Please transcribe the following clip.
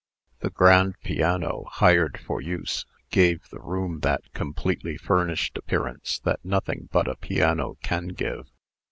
The grand piano, hired for use, gave the room that completely furnished appearance that nothing but a piano can give.